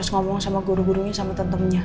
ngomong sama guru gurunya sama temennya